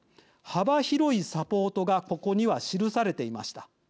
幅広いサポートがここには記されていました。